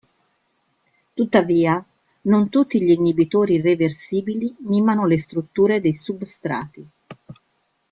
Tuttavia, non tutti gli inibitori reversibili mimano le strutture dei substrati.